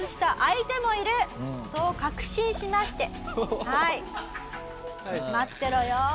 そう確信しましてはい。